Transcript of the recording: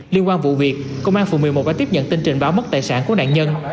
liên quan vụ việc công an phường một mươi một đã tiếp nhận tin trình báo mất tài sản của nạn nhân